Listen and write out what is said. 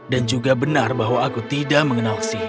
dan juga benar bahwa aku tidak mengenal sihir